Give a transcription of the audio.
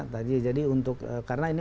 tadi jadi untuk karena ini